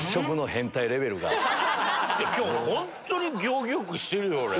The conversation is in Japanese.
今日本当に行儀よくしてるよ俺。